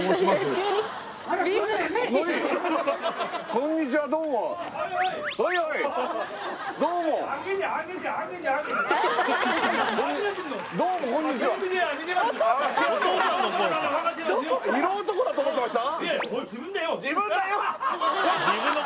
こんにちはどうもどうもどうもこんにちは色男だと思ってました？